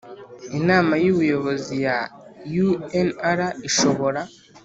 Inama y ubuyobozi ya unr ishobora